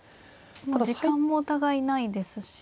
もう時間もお互いないですし。